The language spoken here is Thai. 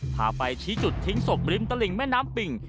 พาไปชี้จุดทิ้งศพริมตลิ่งแม่น้ำปิ่ง